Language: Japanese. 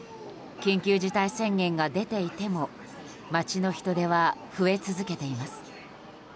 緊急事態宣言が出ていても街の人出は増え続けています。